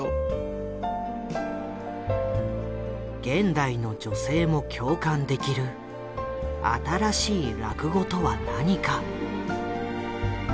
現代の女性も共感できる新しい落語とは何か。